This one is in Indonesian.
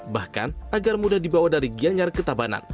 bahkan agar mudah dibawa dari gianyar ke tabanan